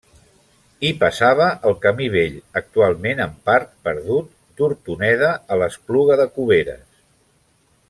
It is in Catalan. Hi passava el camí vell, actualment en part perdut, d'Hortoneda a l'Espluga de Cuberes.